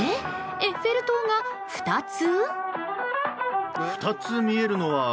エッフェル塔が２つ？